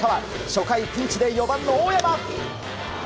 初回、ピンチで４番の大山。